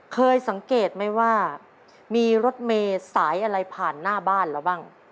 เคยสังเกตไหมว่ามีรถเมย์สายอะไรผ่านหน้าบ้านเราบ้าง